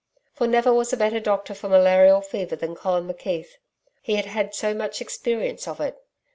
For never was a better doctor for malarial fever than Colin McKeith he had had so much experience of it.